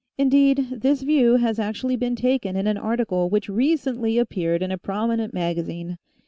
Indeed, this view has actually been taken in an article which recently ap peared in a prominent magazine.